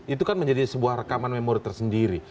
itu kan menjadi sebuah rekaman memori tersendiri